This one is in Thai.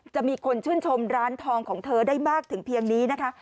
จะมีคนชื่นชมร้านทองของเธอได้มากถึงเพียงนี้นะคะ